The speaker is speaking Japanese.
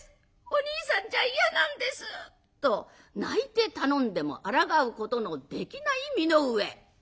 お兄さんじゃ嫌なんです」と泣いて頼んでもあらがうことのできない身の上。